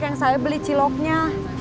yang saya beli ciloknya